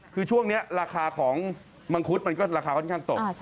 คือช่วงนี้ราคาของมังคุดมันก็ราคาค่อนข้างตก